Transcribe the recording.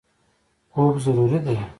خوب ضروري دی.